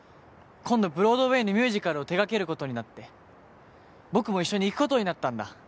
今度ブロードウェーのミュージカルを手掛ける事になって僕も一緒に行く事になったんだ。